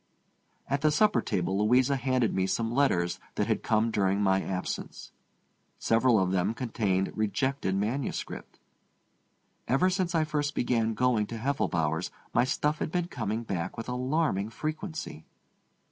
At the supper table Louisa handed me some letters that had come during my absence. Several of them contained rejected manuscript. Ever since I first began going to Heffelbower's my stuff had been coming back with alarming frequency.